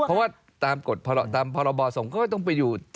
เพราะว่าตามกฎตามพรบส่งเขาก็ต้องไปอยู่